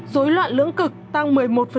rối loạn lưỡng cực tăng một mươi một